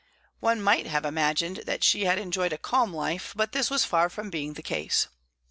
One might have imagined that she had enjoyed a calm life, but this was far from being the case.